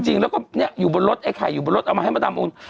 จริงแล้วก็อยู่บนรถไอ้ไข่อยู่บนรถเอามาให้มดดำโอน